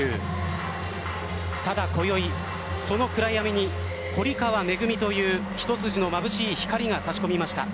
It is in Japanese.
ただ今宵、その暗闇に堀川恵という一筋の眩しい光が差し込みました。